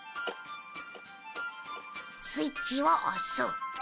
スイッチを押す。